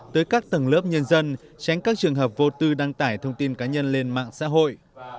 tới các tầng lớp nhân dân tránh các trường hợp vô tư đăng tải thông tin cá nhân lên mạng xã hội